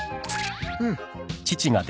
うん。